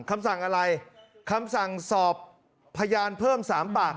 คำสั่งอะไรคำสั่งสอบพยานเพิ่ม๓ปาก